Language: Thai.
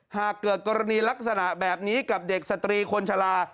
หากเกิดกรณีลักษณะแบบนี้กับเด็กสตรีคนชะลา